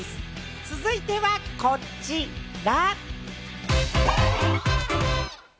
続いてはこちら。